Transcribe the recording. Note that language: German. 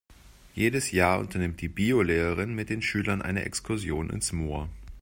Jedes Jahr unternimmt die Biolehrerin mit den Schülern eine Exkursion ins Moor.